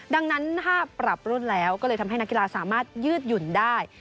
ดังนั้นถ้าปรับรุ่นแล้วก็เลยทำให้นักกีฬาสามารถยืดหยุ่นได้